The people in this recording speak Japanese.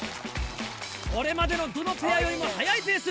これまでのどのペアよりも早いペース！